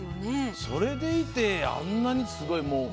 それでいてあんなにすごい。